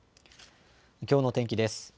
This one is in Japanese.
きょうの天気です。